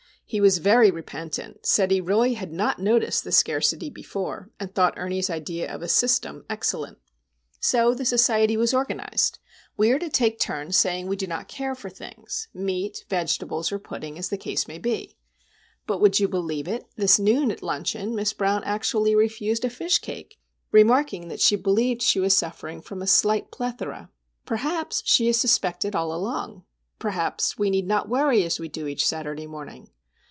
He was very repentant, said he really had not noticed the scarcity before (!), and thought Ernie's idea of a "system" excellent. So the society was organised. We are to take turns saying we do not care for things:—meat, vegetables, or pudding, as the case may be. But,—would you believe it?—this noon at luncheon Miss Brown actually refused a fishcake, remarking that she believed she was suffering from "a slight plethora"! Perhaps she has suspected all along?—perhaps we need not worry as we do each Saturday morning?